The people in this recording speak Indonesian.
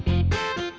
tuh pergi nih